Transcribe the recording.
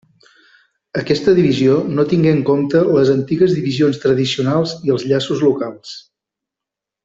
Aquesta divisió no tingué en compte les antigues divisions tradicionals i els llaços locals.